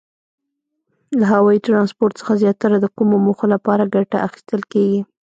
له هوایي ترانسپورت څخه زیاتره د کومو موخو لپاره ګټه اخیستل کیږي؟